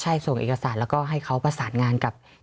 ใช่ส่งเอกสารแล้วก็ให้เขาประสานงานกับ